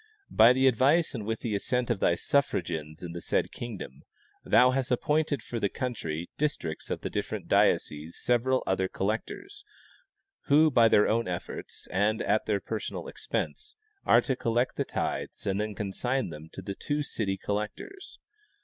By the advice and with the assent of thy suffragans in the said kingdom, thou hast appointed for the country districts of the different dioceses several other collectors, who by their own efforts and at their personal expense are to collect the tithes and then consign them to the two city col lectors.